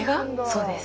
そうです。